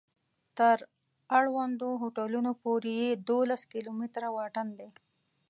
تر اړوندو هوټلونو پورې یې دولس کلومتره واټن دی.